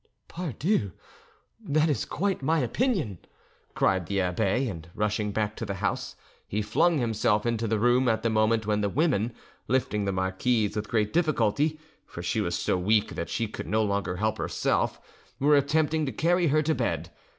"'Pardieu', that is quite my opinion," cried the abbe; and rushing back to the house, he flung himself into the room at the moment when the women, lifting the marquise with great difficulty, for she was so weak that she could no longer help herself, were attempting to carry her to bed.